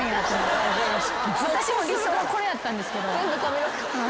私も理想はこれやったんですけど。